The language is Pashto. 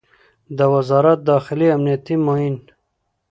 د وزارت داخلې امنیتي معین